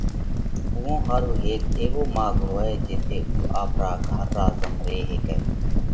اُوئون ۿارُو هيڪ ايوو ماڳ هوئہ جيٿئہ اُو آپرا گھر را زم ري هيڪئہ